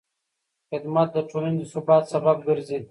خدمت د ټولنې د ثبات سبب ګرځي.